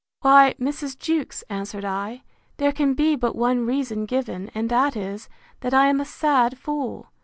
Why, Mrs. Jewkes, answered I, there can be but one reason given; and that is, that I am a sad fool!